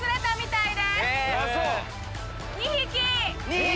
２匹？